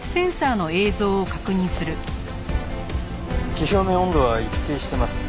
地表面温度は一定してますね。